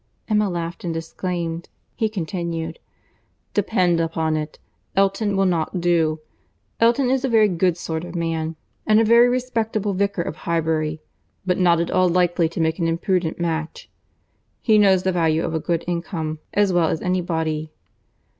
Emma laughed and disclaimed. He continued, "Depend upon it, Elton will not do. Elton is a very good sort of man, and a very respectable vicar of Highbury, but not at all likely to make an imprudent match. He knows the value of a good income as well as any body.